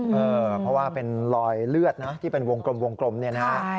เพราะว่าเป็นรอยเลือดนะที่เป็นวงกลมวงกลมเนี่ยนะฮะ